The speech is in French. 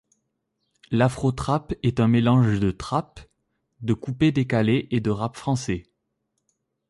L'afro trap est un mélange de trap, de coupé-décalé et de rap français.